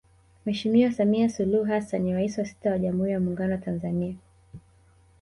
Mheshimiwa Samia Suluhu Hassan ni Rais wa sita wa Jamhuri ya Muungano wa Tanzania